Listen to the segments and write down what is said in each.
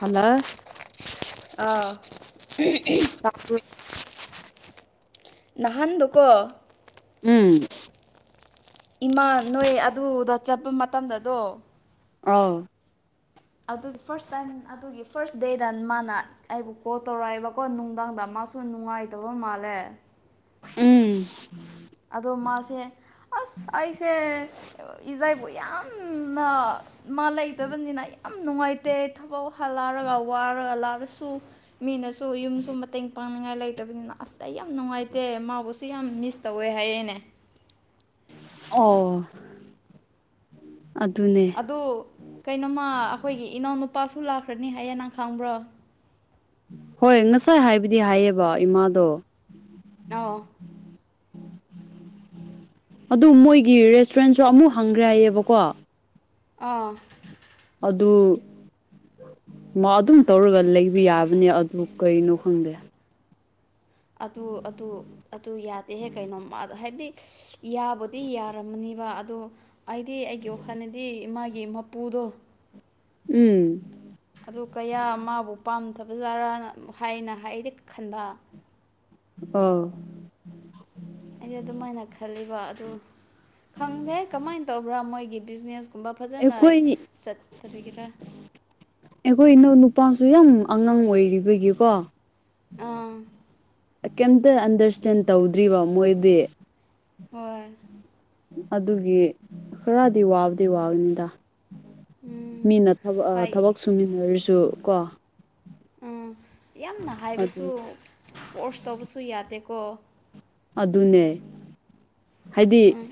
hello ꯑꯥ [unintelligible] ꯆ [unintelligible] ꯅꯍꯥꯟꯗꯨꯀꯣ ꯎꯝ ꯏꯃꯥ ꯅꯣꯏ ꯑꯗꯨꯗ ꯆꯠꯄ ꯃꯇꯝꯗꯗꯣ ꯑꯥꯎ ꯑꯗꯨꯒꯤ ꯐꯥꯔꯁ ꯇꯥꯏꯝ ꯑꯗꯨꯒꯤ ꯐꯥꯔꯁ ꯗꯦꯗ ꯃꯥꯅ ꯑꯩꯕꯨ ꯀꯣꯜ ꯇꯧꯔꯛꯑꯕꯀꯣ ꯅꯨꯡꯗꯥꯡꯗ ꯃꯥꯁꯨ ꯅꯨꯡꯉꯥꯏꯇꯕ ꯃꯥꯜꯂꯦ ꯎꯨꯝ ꯑꯗꯣ ꯃꯥꯁꯦ ꯑꯁ ꯑꯩꯁꯦ ꯏꯖꯥꯏꯕꯨ ꯌꯥꯝꯅ ꯃꯥ ꯂꯩꯇꯕꯅꯤꯅ ꯌꯥꯝ ꯅꯨꯡꯉꯥꯏꯇꯦ ꯊꯕꯛ ꯍꯂꯥꯔꯒ ꯋꯥꯔꯒ ꯂꯥꯔꯁꯨ ꯃꯤꯅꯁꯨ ꯌꯨꯝꯁꯨ ꯃꯇꯦꯡ ꯄꯥꯡꯅꯤꯡꯉꯥꯏ ꯂꯩꯇꯕꯅꯤꯅ ꯑꯁ ꯑꯩ ꯌꯥꯝ ꯅꯨꯡꯉꯥꯏꯇꯦ ꯃꯥꯕꯨꯁꯨ ꯌꯥꯝ ꯃꯤꯁ ꯇꯧꯋꯦ ꯍꯥꯏꯌꯦꯅꯦ ꯑꯣ ꯑꯗꯨꯅꯦ ꯑꯗꯨ ꯀꯩꯅꯣꯃ ꯑꯩꯈꯣꯏꯒꯤ ꯏꯅꯥꯎꯅꯨꯄꯥꯁꯨ ꯂꯥꯛꯈ꯭ꯔꯅꯤ ꯍꯌꯦꯡ ꯅꯪ ꯈꯪꯕ꯭ꯔꯣ ꯍꯣꯏ ꯉꯁꯥꯏ ꯍꯥꯏꯕꯗꯤ ꯍꯥꯏꯌꯦꯕ ꯏꯃꯥꯗꯣ ꯑꯥꯎ ꯑꯗꯨ ꯃꯣꯏꯒꯤ ꯔꯦꯁꯇꯨꯔꯦꯟꯁꯨ ꯑꯃꯨꯛ ꯍꯪꯒ꯭ꯔꯦ ꯍꯥꯏꯌꯦꯕꯀꯣ ꯑꯥ ꯑꯗꯨ ꯑꯗꯨꯝ ꯇꯧꯔꯒ ꯂꯩꯕ ꯌꯥꯕ ꯅꯦ ꯑꯗꯨ ꯀꯩꯅꯣ ꯈꯪꯗꯦ ꯑꯗꯨ ꯑꯗꯨ ꯑꯗꯨ ꯌꯥꯗꯦꯍꯦ ꯀꯩꯅꯣꯃ ꯍꯥꯏꯕꯗꯤ ꯌꯥꯕꯨꯗꯤ ꯌꯥꯔꯝꯃꯅꯤꯕ ꯑꯗꯣ ꯑꯩꯗꯤ ꯑꯩꯒꯤ ꯋꯥꯈꯜꯗꯗꯤ ꯃꯥꯒꯤ ꯃꯄꯨꯗꯣ ꯎꯝ ꯑꯗꯨ ꯀꯌꯥ ꯃꯥꯕꯨ ꯄꯥꯝꯗꯕ ꯖꯔꯥꯅ ꯍꯥꯏꯅ ꯍꯥꯏꯗꯤ ꯈꯟꯕ ꯑꯣ ꯑꯩꯁꯦ ꯑꯗꯨꯝꯃꯥꯏꯅ ꯈꯜꯂꯤꯕ ꯑꯗꯨ ꯈꯪꯗꯦ ꯀꯃꯥꯏꯅ ꯇꯧꯕ꯭ꯔꯥ ꯃꯣꯏꯒꯤ ꯕꯤꯖꯤꯅꯦꯁ ꯨꯕ ꯐꯖꯅꯩ ꯑꯩꯈꯣꯏ ꯆꯠꯇꯕꯤꯒꯤꯔꯥ ꯑꯩꯈꯣꯏ ꯏꯅꯧ ꯅꯨꯄꯥꯁꯨ ꯌꯥꯝ ꯑꯉꯥꯡ ꯑꯣꯏꯔꯤꯕꯒꯤꯀꯣ ꯑꯥ ꯀꯩꯝꯇ ꯑꯟꯗꯔꯁꯇꯦꯟ ꯇꯧꯗ꯭ꯔꯤꯕ ꯃꯣꯏꯗꯤ ꯍꯣꯏ ꯑꯗꯨꯒꯤ ꯈꯔꯗꯤ ꯋꯥꯕꯗꯤ ꯋꯥꯕꯅꯤꯗ ꯎꯝ ꯃꯤꯅ ꯊꯕꯛ ꯍꯥꯏ ꯊꯕꯛ ꯁꯨꯃꯤꯟꯅꯔꯁꯨ ꯀꯣ ꯎ ꯌꯥꯝꯅ ꯑꯗꯨ ꯍꯥꯏꯕꯁꯨ ꯀꯣꯔꯁ ꯇꯧꯕꯁꯨ ꯌꯥꯗꯦꯀꯣ ꯑꯗꯨꯅꯦ ꯍꯥꯏꯗꯤ ꯎꯝ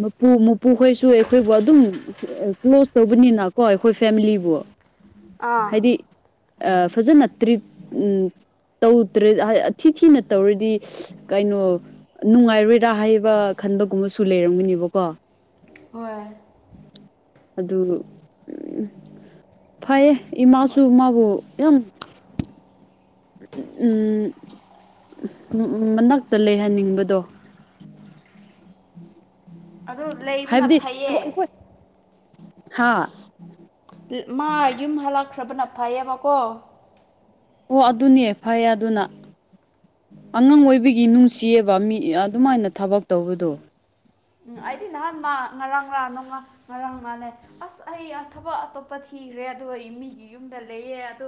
ꯃꯄꯨ ꯃꯄꯨꯈꯣꯏꯁꯨ ꯑꯩꯈꯣꯏꯕꯨ ꯑꯗꯨꯝ ꯀ꯭ꯂꯣꯖ ꯇꯧꯕꯅꯤꯅꯀꯣ ꯑꯩꯈꯣꯏ ꯐꯦꯃꯤꯂꯤꯕꯨ ꯑꯥ ꯍꯥꯏꯗꯤ ꯐꯖꯅ ꯇ꯭ꯔꯤꯠ ꯇꯧꯗ꯭ꯔꯦ ꯊꯤ ꯊꯤꯅ ꯇꯧꯔꯗꯤ ꯀꯩꯅꯣ ꯅꯨꯡꯉꯥꯏꯔꯣꯏꯔꯥ ꯍꯥꯏꯕ ꯈꯟꯕꯒꯨꯝꯕꯁꯨ ꯂꯩꯔꯝꯒꯅꯦꯕꯀꯣ ꯍꯣꯏ ꯑꯗꯨ ꯎ ꯐꯩꯌꯦ ꯏꯃꯥꯁꯨ ꯍꯣꯏ ꯃꯥꯕꯨ ꯌꯥꯝ ꯎꯝ ꯃꯅꯥꯛꯇ ꯂꯩꯍꯟꯅꯤꯡꯕꯗꯣ ꯑꯗꯨ ꯂꯩꯕꯅ ꯐꯩꯌꯦ ꯍꯥꯥ ꯃꯥ ꯌꯨꯝ ꯍꯜꯂꯛꯈ꯭ꯔꯕꯅ ꯐꯩꯌꯦꯕꯀꯣ ꯑꯣ ꯑꯗꯨꯅꯦ ꯐꯩ ꯑꯗꯨꯅ ꯑꯉꯥꯡ ꯑꯣꯏꯕꯒꯤ ꯅꯨꯡꯁꯤꯌꯦꯕ ꯃꯤ ꯑꯗꯨꯃꯥꯏꯅ ꯊꯕꯛ ꯇꯧꯕꯗꯣ ꯑꯩꯗꯤ ꯅꯍꯥꯟ ꯃꯥ ꯉꯔꯥꯡ ꯉꯥꯛ ꯅꯨꯡꯃ ꯉꯔꯥꯡ ꯃꯥꯜꯂꯦ ꯑꯁ ꯑꯩ ꯊꯕꯛ ꯑꯇꯣꯞꯄ ꯊꯤꯈ꯭ꯔꯦ ꯑꯗꯨꯒꯗꯣ ꯑꯩ ꯃꯤꯒꯤ ꯌꯨꯝꯗ ꯂꯩꯌꯦ ꯑꯗꯣ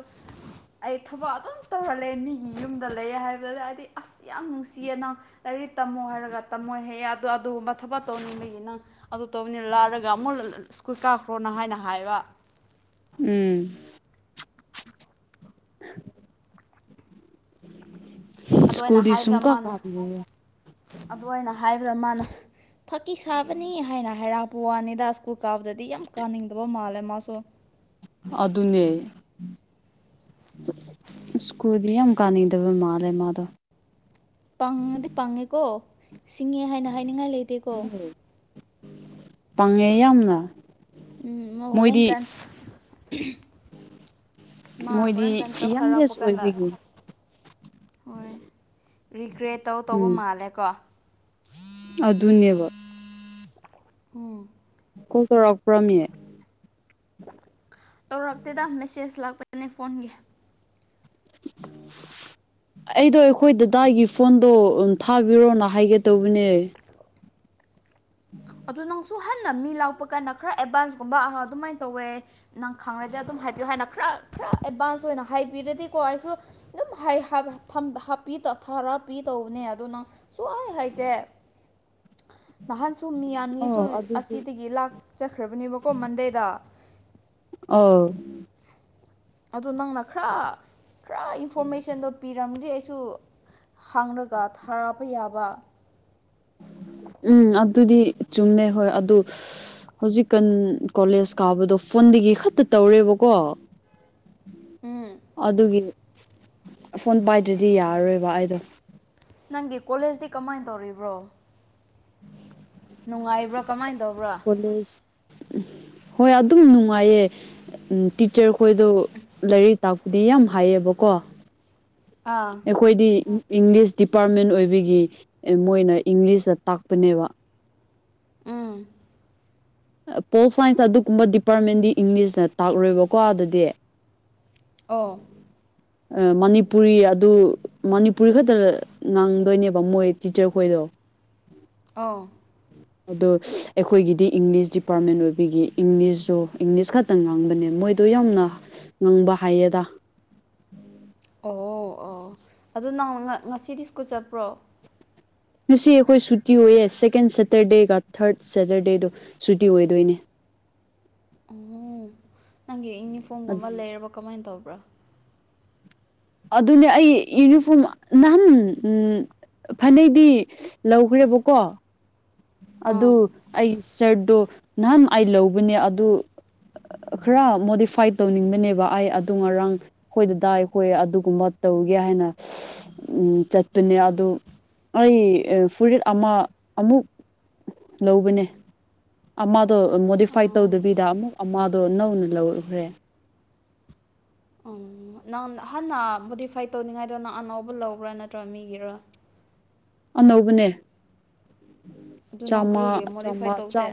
ꯑꯩ ꯊꯕꯛ ꯑꯗꯨꯝ ꯇꯧꯔꯜꯂꯦ ꯃꯤꯒꯤ ꯌꯨꯝꯗ ꯂꯩ ꯍꯥꯏꯕꯗꯨꯗ ꯍꯥꯏꯗꯤ ꯑꯁ ꯌꯥꯝ ꯅꯨꯡꯁꯤꯌꯦ ꯅꯪ ꯂꯥꯏꯔꯤꯛ ꯇꯝꯃꯣ ꯍꯥꯏꯔꯒ ꯇꯝꯃꯣꯏ ꯍꯥꯢꯌꯦ ꯑꯗꯣ ꯑꯗꯨꯒꯨꯝꯕ ꯊꯕꯛ ꯇꯧꯅꯤꯡꯕꯒꯤ ꯅꯪ ꯑꯗꯨ ꯇꯧꯕꯅꯤꯅ ꯂꯥꯜꯂꯒ ꯑꯃꯨꯛ ꯁ꯭ꯀꯨꯜ ꯀꯥꯞꯈ꯭ꯔꯣꯅ ꯍꯥꯏꯅ ꯍꯥꯏꯕ ꯎꯝ ꯑꯗꯨꯅ ꯁ꯭ꯀꯨꯜꯗꯤ ꯍꯥꯏꯕꯗ ꯁꯨꯡꯀꯥ ꯃꯥꯅ ꯀꯥꯕꯤꯔꯣꯏꯌꯦ ꯑꯗꯨ ꯑꯣꯏꯅ ꯍꯥꯏꯕꯗ ꯃꯥꯅ ꯐꯥꯀꯤ ꯁꯥꯕꯅꯤ ꯍꯥꯏꯅ ꯍꯥꯏꯔꯛꯄ ꯋꯥꯅꯤꯗ ꯁ꯭ꯀꯨꯜ ꯀꯥꯕꯗꯗꯤ ꯌꯥꯝ ꯀꯥꯅꯤꯡꯗꯕ ꯃꯥꯜꯂꯦ ꯃꯥꯁꯨ ꯑꯗꯨꯅꯦ ꯁꯀꯨꯜꯗꯤ ꯌꯥꯝ ꯀꯥꯅꯤꯡꯗꯕ ꯃꯥꯜꯂꯦ ꯃꯥꯗꯣ ꯄꯥꯡꯉꯗꯤ ꯄꯥꯡꯉꯦꯀꯣ ꯁꯤꯡꯉꯦ ꯍꯥꯏꯅ ꯍꯥꯏꯅꯤꯡꯉꯥꯏ ꯂꯩꯇꯦꯀꯣ ꯄꯥꯡꯉꯦ ꯌꯥꯝꯅ ꯎꯝ ꯃꯣ ꯍꯣꯔꯦꯟ ꯃꯣꯏꯗꯤ ꯀꯥꯟ ꯃꯥ ꯃꯣꯏꯗꯤ ꯍꯣꯔꯥꯡ ꯀꯥꯟ ꯆꯥꯎꯈꯔꯔꯥꯛꯄ ꯌꯪꯒꯦꯁ ꯀꯥꯟꯗ ꯑꯣꯏꯕꯒꯤ ꯍꯣꯏ ꯔꯤꯒ꯭ꯔꯦꯠ ꯇꯧ ꯎꯝ ꯇꯧꯕ ꯃꯥꯜꯂꯦꯀꯣ ꯑꯗꯨꯅꯦꯕ ꯍꯨꯝ ꯀꯣꯜ ꯇꯧꯔꯛꯄ꯭ꯔꯣ ꯃꯤ ꯇꯧꯔꯛꯇꯦꯗ ꯃꯦꯁꯦꯖ ꯂꯥꯛꯄꯅꯦ ꯐꯣꯟꯒꯤ [unintelligible] ꯑꯩꯗꯣ ꯑꯩꯈꯣꯏ ꯗꯗꯥꯒꯤ ꯐꯣꯟꯗꯣ ꯊꯥꯕꯤꯔꯣꯅ ꯍꯥꯏꯒꯦ ꯇꯧꯕꯅꯦ ꯑꯗꯨ ꯅꯪꯁꯨ ꯍꯟꯅ ꯃꯤ ꯂꯥꯛꯄ ꯀꯥꯟꯅ ꯈꯔ ꯑꯦꯗꯚꯥꯟꯁꯀꯨꯝꯕ ꯑꯗꯨꯃꯥꯏꯅ ꯇꯧꯋꯦ ꯅꯪ ꯈꯪꯔꯗꯤ ꯑꯗꯨꯝ ꯍꯥꯏꯕꯤꯌꯨ ꯍꯥꯏꯅ ꯈꯔ ꯈꯔ ꯑꯦꯗꯚꯥꯟꯁ ꯑꯣꯏꯅ ꯍꯥꯏꯕꯤꯔꯗꯤꯀꯣ ꯑꯩꯁꯨ ꯑꯗꯨꯝ ꯊꯔ ꯍꯥꯞꯄꯤ ꯇꯧꯕꯅꯦ ꯑꯗꯨꯅꯪ ꯁꯨꯡꯋꯥꯥꯏ ꯍꯥꯏꯇꯦ ꯅꯍꯥꯟꯁꯨꯨꯝ ꯃꯤ ꯑꯅꯤꯁꯨ ꯑꯣ ꯑꯗꯨꯗꯤ ꯑꯁꯤꯗꯒꯤ ꯂꯥꯛꯆꯈ꯭ꯔꯕꯅꯦꯕꯀꯣ ꯃꯟꯗꯦꯗ ꯑꯥꯎ ꯑꯗꯨꯗ ꯅꯪꯅ ꯈꯔ ꯈꯔ ꯏꯟꯐꯣꯔꯃꯦꯁꯟꯗꯣ ꯄꯤꯔꯝꯗꯤ ꯑꯩꯁꯨ ꯍꯥꯡꯂꯒ ꯊꯥꯛꯄ ꯌꯥꯕ ꯎꯝ ꯑꯗꯨꯗꯤ ꯆꯨꯝꯃꯦ ꯍꯣꯏ ꯑꯗꯨ ꯍꯧꯖꯤꯛꯀꯥꯟ ꯀꯣꯂꯦꯖ ꯀꯥꯕꯗꯣ ꯐꯣꯟꯗꯒꯤ ꯈꯛꯇ ꯇꯧꯔꯦꯕꯀꯣ ꯎꯝ ꯑꯗꯨꯒꯤ ꯐꯣꯟ ꯄꯥꯏꯗ꯭ꯔꯗꯤ ꯌꯥꯔꯔꯣꯏꯕ ꯑꯩꯗ꯭ꯔꯣ ꯅꯪꯗꯤ ꯀꯣꯂꯦꯖꯇꯤ ꯀꯃꯥꯏꯅ ꯇꯧꯔꯤꯕ꯭ꯔꯣ ꯅꯨꯡꯉꯥꯏꯕ꯭ꯔꯥ ꯀꯃꯥꯏꯅ ꯇꯧꯕ꯭ꯔ ꯂꯨꯁ ꯍꯣꯏ ꯑꯗꯨꯝ ꯅꯨꯡꯉꯥꯏꯌꯦ ꯇꯤꯆꯔ ꯈꯣꯏꯗꯣ ꯂꯥꯏꯔꯤꯛ ꯇꯥꯛ ꯗꯤ ꯌꯥꯝ ꯍꯥꯏꯌꯦꯕꯀꯣ ꯑꯥ ꯑꯩꯈꯣꯏꯗꯤ ꯏꯪꯂꯤꯁ ꯗꯤꯄꯥꯔꯠꯃꯦꯟ ꯑꯣꯏꯕꯒꯤ ꯃꯣꯏꯅ ꯏꯪꯂꯤꯁꯇ ꯇꯥꯛꯄꯅꯦꯕ ꯎꯝ ꯄꯣꯜ ꯁꯥꯏꯟꯁꯇ ꯑꯗꯨꯒꯨꯝꯕ ꯗꯤꯄꯥꯔꯠꯃꯦꯟꯗꯤ ꯏꯪꯂꯤꯁꯅ ꯇꯥꯛꯔꯣꯏꯕꯀꯣ ꯑꯗꯨꯗꯤ ꯑꯧ ꯎꯝ ꯃꯅꯤꯄꯨꯔꯤ ꯑꯗꯨ ꯃꯅꯤꯄꯨꯔ ꯈꯛꯇꯗ ꯉꯥꯡꯗꯣꯢꯅꯦꯕ ꯃꯣꯏ ꯇꯤꯆꯔ ꯈꯣꯏꯗꯣ ꯑꯣ ꯑꯗꯣ ꯑꯩꯈꯣꯏꯒꯤꯗꯤ ꯏꯪꯂꯤꯁ ꯗꯤꯄꯥꯔꯠꯃꯦꯟ ꯑꯣꯏꯕꯒꯤ ꯏꯪꯂꯤꯁꯇꯣ ꯏꯪꯂꯤꯁ ꯈꯛꯇꯪ ꯉꯥꯡꯕꯅꯦ ꯃꯣꯏꯗꯣ ꯌꯥꯝꯅ ꯉꯪꯕ ꯍꯩꯌꯦꯗ ꯑꯣ ꯑꯣ ꯑꯣ ꯑꯗꯨ ꯅꯪ ꯉꯁꯤꯗꯤ ꯁ꯭ꯀꯨꯜ ꯆꯠꯄ꯭ꯔꯣ ꯉꯁꯤ ꯑꯩꯈꯣꯏ ꯁꯨꯇꯤ ꯑꯣꯏꯌꯦ ꯁꯦꯀꯦꯟ ꯁꯇꯔꯗꯦꯒ ꯊꯔ꯭ꯗ ꯁꯇꯔꯗꯦꯗꯨ ꯁꯨꯇꯤ ꯑꯣꯏꯗꯣꯏꯅꯦ ꯑꯣ ꯅꯪꯒꯤ ꯑꯗꯨ ꯌꯨꯅꯤꯐꯣꯝꯒꯨꯝꯕ ꯂꯩꯔꯕ ꯀꯃꯥꯏ ꯇꯧꯕ꯭ꯔꯥ ꯑꯗꯨꯅꯦ ꯑꯩ ꯌꯨꯅꯤꯐꯣꯝ ꯅꯍꯥꯟ ꯎꯝ ꯐꯅꯦꯛꯗꯤ ꯂꯧꯈ꯭ꯔꯦꯕꯀꯣ ꯑꯗꯨ ꯑꯥ ꯑꯩ ꯁꯔ꯭ꯗ ꯗꯣ ꯅꯍꯥꯟ ꯑꯩ ꯂꯧꯕꯅꯦ ꯑꯗꯨ ꯈꯔ ꯃꯣꯗꯤꯐꯥꯏꯠ ꯇꯧꯅꯤꯡꯕꯅꯦꯕ ꯑꯩ ꯑꯗꯨ ꯉꯔꯥꯡ ꯑꯩꯈꯣꯏ ꯗꯗꯥꯏ ꯍꯣꯏ ꯑꯗꯨꯒꯨꯝꯕ ꯇꯧꯒꯦ ꯍꯥꯏꯅ ꯎꯝ ꯆꯠꯄꯅꯦ ꯑꯗꯨ ꯑꯩ ꯐꯨꯔꯤꯠ ꯑꯃ ꯑꯃꯨꯛ ꯂꯧꯕꯅꯦ ꯑꯃꯗꯣ ꯃꯣꯗꯤꯐꯥꯏꯠ ꯑꯣ ꯇꯧꯗꯕꯤꯗ ꯑꯃꯨꯛ ꯑꯃꯗꯣ ꯅꯧꯅ ꯂꯧꯈ꯭ꯔꯦ ꯎꯝ ꯅꯪ ꯍꯥꯟꯅ ꯃꯣꯗꯤꯐꯥꯏꯠ ꯇꯧꯅꯤꯡꯉꯥꯏꯗꯣ ꯅꯪ ꯑꯅꯧꯕ ꯂꯧꯕ꯭ꯔꯥ ꯅꯠꯇ꯭ꯔ ꯃꯤꯒꯤꯔꯥ ꯑꯅꯧꯕꯅꯦ ꯑꯗꯨ ꯅꯪ ꯆꯥꯝꯃ ꯀꯔꯤꯒꯤ ꯆꯥꯝꯃ ꯃꯣꯗꯤꯐꯥꯏꯠ ꯇꯧꯗꯦ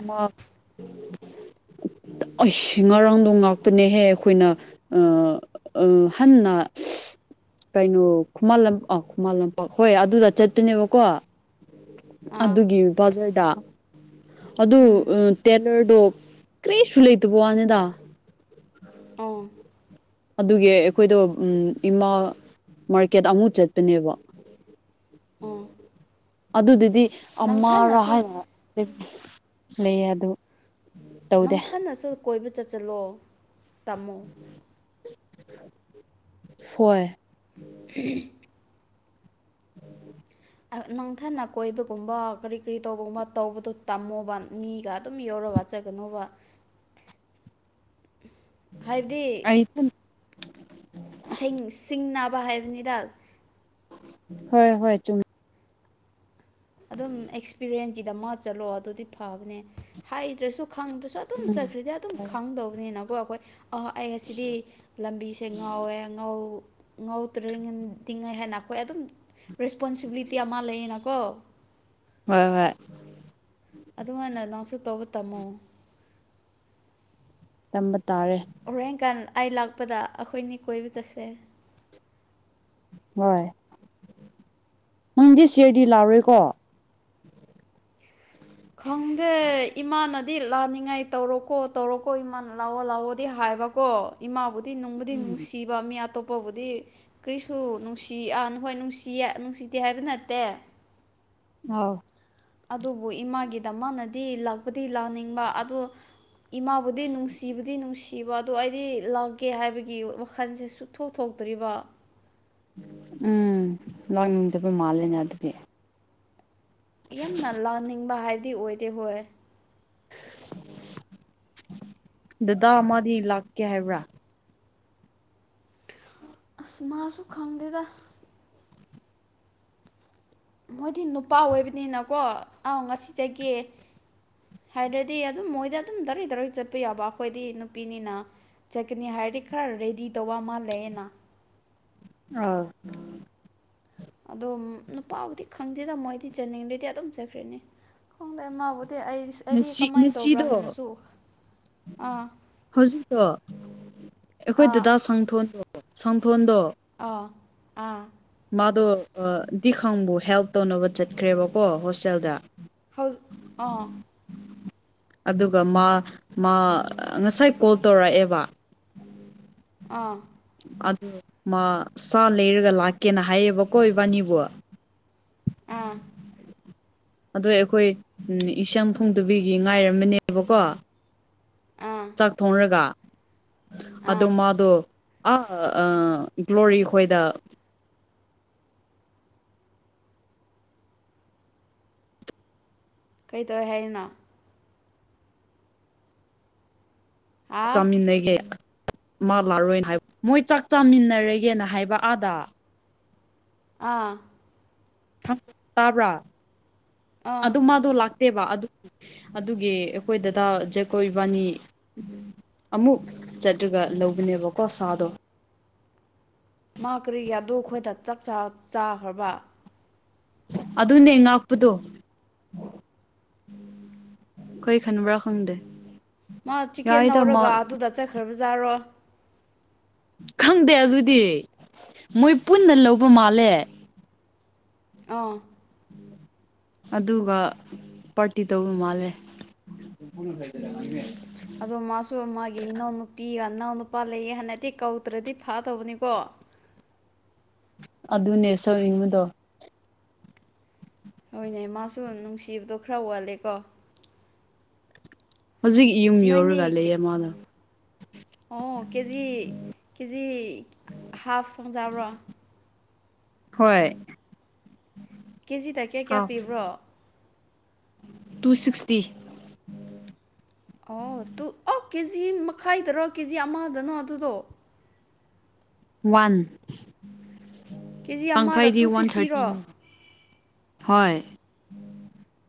ꯑꯁ ꯉꯔꯥꯡꯗꯣ ꯉꯥꯛꯄꯅꯦꯍꯦ ꯑꯩꯈꯣꯏꯅ ꯑꯥ ꯍꯟꯅ ꯀꯩꯅꯣ ꯈꯨꯃꯟ ꯂꯝꯄꯥꯛ ꯑ ꯈꯨꯃꯟ ꯂꯝꯄꯥꯛ ꯍꯣꯏ ꯑꯗꯨꯗ ꯆꯠꯄꯅꯦꯕ ꯀꯣ ꯑꯥ ꯑꯗꯨꯒꯤ ꯕꯖꯔꯗ ꯑꯗꯨ ꯎꯝ ꯇꯦꯂꯔꯗꯣ ꯀꯔꯤꯁꯨ ꯂꯩꯇꯕ ꯋꯥꯅꯤꯗ ꯑꯥ ꯑꯗꯨꯒꯤ ꯑꯩꯈꯣꯏꯗꯣ ꯏꯃꯥ ꯃꯥꯔꯀꯦꯠ ꯑꯃꯨꯛ ꯆꯠꯄꯅꯦꯕ ꯑꯣ ꯑꯗꯨꯗꯨꯗꯤ ꯑꯃꯔꯥ ꯅꯪꯊꯅꯁꯨ ꯍꯥꯏ ꯂꯩ ꯑꯗꯨ ꯇꯧꯗꯦ ꯅꯪꯊꯅꯁꯨ ꯀꯣꯏꯕ ꯆꯠꯁꯤꯜꯂꯣ ꯇꯝꯃꯣ ꯍꯣꯏ [unintelligible] [unintelligible] ꯑ ꯅꯪꯊꯟꯅ ꯀꯣꯏꯕꯒꯨꯝꯕ ꯀꯔꯤ ꯀ꯭ꯔꯤ ꯇꯧꯕꯒꯨꯝꯕ ꯇꯧꯕꯗꯨ ꯇꯝꯃꯣꯕ ꯃꯤꯒ ꯑꯗꯨꯝ ꯌꯧꯔꯒ ꯆꯠꯀꯅꯣꯕ ꯍꯥꯏꯕꯗꯤ [unintelligible] ꯁꯤꯡ ꯁꯤꯡꯅꯥꯕ ꯍꯥꯏꯕꯅꯤꯗ ꯍꯣꯏ ꯍꯣꯏ ꯆꯨꯝ ꯑꯗꯨꯝ ꯑꯦꯛꯁꯄꯤꯔꯤꯌꯦꯟꯀꯤꯗꯃꯛ ꯆꯠꯂꯣ ꯑꯗꯨꯗꯤ ꯐꯕꯅꯦ ꯍꯥꯏꯗ꯭ꯔꯁꯨ ꯈꯪꯗ꯭ꯔꯁꯨ ꯑꯗꯨꯝ ꯎꯝ ꯆꯠꯈ꯭ꯔꯗꯤ ꯑꯗꯨꯝ ꯈꯪꯗꯧꯅꯤꯅ ꯑꯩꯈꯣꯏ ꯑ ꯑꯩ ꯉꯁꯤꯗꯤ ꯂꯝꯕꯤꯁꯦ ꯉꯧꯋꯦ ꯉꯧ ꯉꯧꯗ꯭ꯔꯤꯉꯩ ꯇꯤꯡꯉ ꯍꯥꯏꯅ ꯑꯩꯈꯣꯏ ꯑꯗꯨꯝ ꯔꯦꯁꯄꯣꯟꯁꯤꯕꯤꯂꯤꯇꯤ ꯑꯃ ꯂꯩꯌꯦꯅꯀꯣ ꯍꯣꯏ ꯍꯣꯏ ꯑꯗꯨꯝꯃꯥꯏꯅ ꯅꯪꯁꯨ ꯇꯧꯕ ꯇꯝꯃꯣ ꯇꯝꯕ ꯇꯥꯔꯦ ꯍꯣꯔꯦꯟꯀꯥꯟ ꯑꯩ ꯂꯥꯛꯄꯗ ꯑꯩꯈꯣꯏꯅꯤ ꯀꯣꯏꯕ ꯆꯠꯁꯦ ꯍꯣꯏ ꯅꯪꯗꯤ ꯁꯤꯌꯔꯗꯤ ꯂꯧꯔꯦꯀꯣ ꯈꯪꯗꯦ ꯏꯃꯥꯅꯗꯤ ꯂꯥꯅꯤꯡꯉꯥꯏ ꯇꯧꯔꯣꯀꯣ ꯇꯧꯔꯣꯀꯣ ꯏꯃꯥꯅ ꯂꯥꯛꯑꯣ ꯂꯥꯛꯑꯣ ꯗꯤ ꯍꯥꯏꯕꯀꯣ ꯏꯃꯥꯕꯨꯗꯤ ꯅꯨꯡꯕꯨꯗꯤ ꯅꯨꯡꯁꯤꯕ ꯃꯤ ꯑꯇꯣꯞꯄꯕꯨꯗꯤ ꯀꯔꯤꯁꯨ ꯅꯨꯡꯁꯤ ꯑꯥ ꯍꯣꯏ ꯅꯨꯡꯁꯤꯌꯦ ꯅꯨꯡꯁꯤꯗꯦ ꯍꯥꯏꯕ ꯅꯠꯇꯦ ꯑꯥꯎ ꯑꯗꯨꯕꯨ ꯏꯃꯥꯒꯤ ꯗꯥꯃꯛꯗꯗꯤ ꯂꯥꯛꯄꯗꯤ ꯂꯥꯛꯅꯤꯡꯕ ꯑꯗꯨ ꯏꯃꯥꯕꯨꯗꯤ ꯅꯨꯡꯁꯤꯕꯨꯗꯤ ꯅꯨꯡꯁꯤ ꯀꯤꯕ ꯑꯗꯣ ꯑꯩꯗꯤ ꯂꯥꯛꯀꯦ ꯍꯥꯏꯕꯒꯤ ꯋꯥꯈꯜꯁꯦ ꯁꯨꯊꯣꯛ ꯊꯣꯛꯇ꯭ꯔꯤꯕ ꯎꯝ ꯂꯥꯛꯅꯤꯡꯗꯕꯩ ꯃꯥꯜꯂꯦꯅꯦ ꯑꯗꯨꯗꯤ ꯌꯥꯝꯅ ꯂꯥꯛꯅꯤꯡꯕ ꯍꯥꯏꯕꯗꯤ ꯑꯣꯏꯗꯦ ꯍꯣꯏ ꯗꯗꯥ ꯑꯃꯗꯤ ꯂꯥꯛꯀꯦ ꯍꯥꯏꯕ꯭ꯔꯥ ꯑꯁ ꯃꯁꯨ ꯈꯪꯗꯦꯗ ꯃꯣꯏꯗꯤ ꯅꯨꯄꯥ ꯑꯣꯏꯕꯅꯤꯅꯀꯣ ꯑꯪ ꯉꯁꯤ ꯆꯠꯀꯦ ꯍꯥꯏꯗꯗꯤ ꯑꯗꯨꯝ ꯃꯣꯏꯗꯤ ꯑꯗꯨꯝ ꯗꯥꯏꯔꯦꯛ ꯗꯥꯏꯔꯦꯛ ꯆꯠꯄ ꯌꯥꯕ ꯑꯩꯈꯣꯏꯗꯤ ꯅꯨꯄꯤꯅꯤꯅ ꯆꯠꯀꯅꯤ ꯍꯥꯏꯔꯗꯤ ꯈꯔ ꯔꯦꯗꯤ ꯇꯧꯕ ꯑꯃꯥ ꯂꯩꯌꯦꯅ ꯑꯥꯎ ꯑꯗꯣ ꯅꯨꯄꯥꯕꯨꯗꯤ ꯈꯪꯗꯦꯗꯥ ꯃꯣꯏꯗꯤ ꯆꯠꯅꯤꯡꯑꯗꯤ ꯑꯗꯨꯝ ꯆꯠꯈ꯭ꯔꯅꯤ ꯈꯪꯏ ꯃꯥꯕꯨꯗꯤ ꯑꯩ ꯑꯩꯗꯤ ꯉꯁꯤ ꯀꯃꯥꯏꯅ ꯇꯧꯕ꯭ꯔꯥ ꯉꯁꯤꯗꯣ ꯍꯥꯏꯅꯁꯨ ꯑꯥ ꯍꯧꯖꯤꯛꯇꯣ ꯑꯩꯈꯣꯏ ꯑꯥ ꯗꯗꯥ ꯁꯪꯊꯣꯟꯗꯣ ꯁꯪꯊꯣꯟꯗꯣ ꯑꯥ ꯑꯥ ꯃꯥꯗꯣ ꯗꯤ ꯈꯪꯕꯨ ꯍꯦꯜꯞ ꯇꯧꯅꯕ ꯆꯠꯈ꯭ꯔꯦꯕꯀꯣ ꯍꯣꯁꯇꯦꯜꯗ ꯍꯧꯖ ꯑꯥ ꯑꯗꯨꯒ ꯃꯥ ꯃꯥ ꯉꯁꯥꯏ ꯀꯣꯜ ꯇꯧꯔꯛꯑꯦꯕ ꯑꯥ ꯑꯗꯨ ꯃꯥ ꯁꯥ ꯂꯩꯔꯒ ꯂꯥꯛ ꯀꯦꯅ ꯍꯥꯏꯌꯦꯕꯀꯣ ꯏꯕꯥꯅꯤꯕꯨ ꯑꯥ ꯑꯗꯣ ꯑꯩꯈꯣꯏ ꯏꯁꯝ ꯐꯣꯡꯗꯕꯤꯒꯤ ꯉꯥꯏꯔꯝꯕꯅꯦꯕꯀꯣ ꯑꯥ ꯆꯥꯛ ꯊꯣꯡꯔꯒ ꯑꯥ ꯑꯣ ꯃꯥꯗꯣ ꯑ ꯒ꯭ꯂꯣꯔꯤ ꯈꯣꯏꯗ ꯀꯩꯇꯧꯋꯦ ꯍꯥꯏꯅꯣ ꯍꯥ ꯆꯥꯛ ꯆꯥꯃꯤꯟꯅꯒꯦ ꯃꯥ ꯂꯥꯛꯔꯣꯏꯅ ꯍꯥꯏꯕ ꯃꯣꯏ ꯆꯥꯛ ꯆꯥꯃꯤꯟꯅꯔꯒꯦꯅ ꯍꯥꯏꯕ ꯑꯥꯗ ꯑꯥ ꯇꯥꯕ꯭ꯔꯥ ꯑꯪ ꯑꯗꯨ ꯃꯥꯗꯣ ꯅꯠꯇꯦꯕ ꯑꯗꯨꯒꯤ ꯑꯩꯈꯣꯏ ꯗꯗꯥ ꯖꯦꯀꯣꯏ ꯏꯕꯥꯅꯤ ꯑꯃꯨꯛ ꯆꯠꯂꯒ ꯂꯧꯕꯅꯦꯕꯀꯣ ꯁꯥꯗꯣ ꯃꯥ ꯀꯔꯤ ꯑꯈꯣꯏꯗ ꯆꯥꯛ ꯆꯥꯈ꯭ꯔꯕ ꯑꯗꯨꯅꯦ ꯉꯥꯛꯄꯗꯣ ꯀꯔꯤ ꯈꯟꯕ꯭ꯔꯥ ꯈꯪꯗꯦ ꯃꯥ ꯆꯤꯛꯀꯦꯟ ꯌꯥꯏꯗ ꯃꯥ ꯂꯧꯔꯒ ꯑꯗꯨꯗ ꯆꯠꯈ꯭ꯔꯕꯖꯥꯠꯔꯣ ꯈꯪꯗꯦ ꯑꯗꯨꯗꯤ ꯃꯣꯏ ꯄꯨꯟꯅ ꯂꯧꯕ ꯃꯥꯜꯂꯦ ꯑꯥ ꯑꯗꯨꯒ ꯄꯥꯔꯇꯤ ꯇꯧꯕ ꯃꯥꯜꯂꯦ ꯎꯝ [unintelligible] ꯑꯗꯣ ꯃꯥꯁꯨ ꯃꯥꯒꯤ ꯏꯅꯥꯎꯅꯨꯄꯤꯒ ꯏꯅꯥꯎ ꯅꯨꯄꯥ ꯂꯩꯌꯦ ꯍꯥꯟꯅꯗꯤ ꯀꯧꯗ꯭ꯔꯗꯤ ꯐꯥꯗꯧꯕꯅꯤꯀꯣ ꯑꯗꯨꯅꯦ ꯁꯧꯌꯤꯡꯕꯗꯣ ꯍꯣꯏꯅꯦ ꯃꯥꯁꯨ ꯅꯨꯡꯁꯤꯕꯗꯣ ꯈꯔ ꯋꯥꯠꯂꯦꯀꯣ ꯍꯧꯖꯤꯛ ꯌꯨꯝ ꯅꯣꯏꯅꯤ ꯌꯧꯔꯒ ꯂꯩꯌꯦ ꯃꯥꯗꯣ ꯑꯣ ꯀꯦꯖꯤ ꯀꯦꯖꯤ ꯍꯥꯐ ꯐꯪꯖꯕ꯭ꯔꯣ ꯍꯣꯏ ꯀꯦꯖꯤꯗ ꯀꯌꯥ ꯀꯌꯥ ꯍꯥꯎ ꯄꯤꯕ꯭ꯔꯣ ꯇꯨ ꯁꯤꯛꯁꯇꯤ ꯑꯣ ꯇꯨ ꯑꯣ ꯀꯦꯖꯤ ꯃꯈꯥꯏꯗꯔꯣ ꯀꯦ ꯖꯤ ꯑꯃꯗꯅꯣ ꯑꯗꯨꯗꯣ ꯋꯥꯟ ꯀꯦ ꯖꯤ ꯑꯃꯗ ꯇꯪꯈꯥꯏꯗꯤ ꯇꯨ ꯋꯥꯟ ꯁꯤꯛꯁꯇꯤꯔꯣ ꯊꯥꯔꯇꯤꯅꯤ ꯍꯣꯏ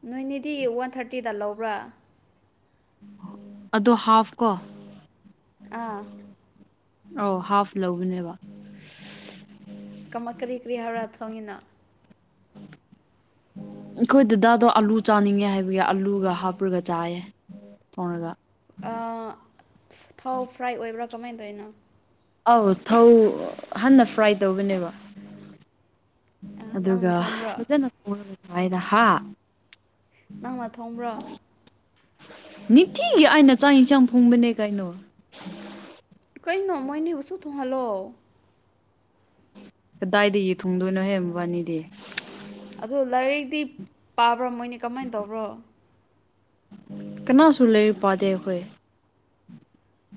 ꯅꯣꯏꯅꯤꯗꯤ ꯋꯥꯟ ꯊꯥꯔꯇꯤꯗ ꯂꯧꯕ꯭ꯔꯥ ꯑꯗꯣ ꯍꯥꯐ ꯀꯣ ꯑꯥ ꯑꯣ ꯍꯥꯐ ꯂꯧꯕꯅꯦꯕ ꯀꯃ ꯀꯔꯤ ꯀꯔꯤ ꯍꯧꯔ ꯊꯣꯡꯉꯤꯅꯣ ꯑꯈꯣꯏ ꯗꯗꯥꯗꯣ ꯑꯥꯂꯨ ꯆꯥꯅꯤꯡꯉꯦ ꯍꯥꯏꯕꯒꯤ ꯑꯥꯂꯨꯒ ꯍꯥꯞꯔꯒ ꯆꯥꯏꯌꯦ ꯊꯣꯡꯔꯒ ꯑꯥ ꯊꯥꯎ ꯐ꯭ꯔꯥꯏ ꯑꯣꯏꯕ꯭ꯔꯥ ꯀꯃꯥꯏ ꯇꯧꯔꯤꯅꯣ ꯑꯧ ꯊꯧ ꯍꯥꯟꯅ ꯐ꯭ꯔꯥꯏ ꯇꯧꯕꯅꯦꯕ ꯑꯗꯨꯒ ꯅꯪ ꯊꯣꯡꯕ꯭ꯔꯣ ꯐꯖꯅ ꯊꯣꯡꯔꯒ ꯆꯥꯏꯌꯦꯗ ꯍꯥ ꯅꯪꯅ ꯊꯣꯡꯕ꯭ꯔꯣ ꯅꯤꯇꯤꯒꯤ ꯑꯩꯅ ꯆꯥꯛ ꯏꯟꯁꯥꯡ ꯊꯣꯡꯕꯅꯦ ꯀꯩꯅꯣ ꯀꯩꯅꯣ ꯃꯣꯏꯅꯤꯕꯨꯁꯨ ꯊꯣꯡꯍꯜꯂꯣ ꯀꯗꯥꯏꯗꯒꯤ ꯊꯨꯡꯗꯣꯏꯅꯣ ꯍꯦ ꯃꯕꯥꯅꯤꯗꯤ ꯑꯗꯣ ꯂꯥꯏꯔꯤꯛꯇꯤ ꯄꯥꯕ꯭ꯔꯣ ꯃꯣꯏꯅꯤ ꯀꯃꯥꯏꯅ ꯇꯧꯕ꯭ꯔꯣ ꯀꯅꯥꯁꯨ ꯂꯩꯔꯤꯛ ꯄꯥꯗ ꯑꯈꯣꯏ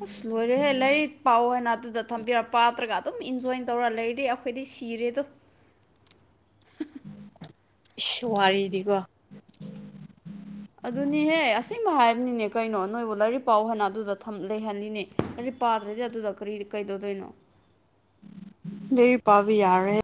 ꯑꯁ ꯂꯣꯏꯔꯦꯍꯦ ꯂꯩꯔꯤꯛ ꯄꯥꯎꯑꯣ ꯍꯥꯏꯅ ꯑꯗꯨꯗ ꯊꯝꯕꯤꯔ ꯄꯥꯇ꯭ꯔꯒ ꯑꯗꯨꯝ ꯏꯟꯖꯣꯌꯤꯡ ꯇꯧꯔ ꯂꯩꯔꯗꯤ ꯑꯈꯣꯏꯗꯤ ꯁꯤꯔꯦꯗꯣ ꯏꯁ ꯋꯥꯔꯤꯗꯤꯀꯣ ꯑꯗꯨꯅꯦꯍꯦ ꯑꯁꯤꯁꯕ ꯍꯥꯏꯕꯅꯤꯅꯦ ꯀꯩꯅꯣ ꯅꯣꯏꯕꯨ ꯂꯥꯏꯔꯤꯛ ꯄꯥꯎ ꯍꯅ ꯑꯗꯨꯗ ꯂꯩꯍꯅꯤꯅꯦ ꯔꯤꯛ ꯄꯥꯗ꯭ꯔꯗꯤ ꯑꯗꯨꯗ ꯀꯔꯤ ꯀꯩꯗꯧꯗꯣꯏꯅꯣ ꯂꯤꯔꯤꯛ ꯄꯥꯕ ꯌꯥꯔꯣꯢꯍꯦ